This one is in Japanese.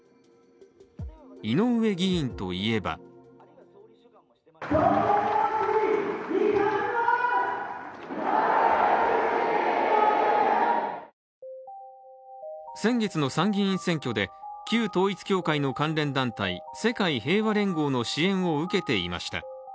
井上議員といえば先月の参議院選挙で旧統一教会の関連団体世界平和連合の支援を受けていました。